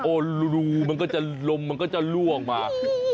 โอลูลมมันก็จะล่วงมา